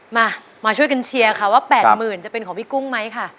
มามาช่วยกันเชียร์ค่ะว่า๘๐๐๐จะเป็นของพี่กุ้งไหมค่ะ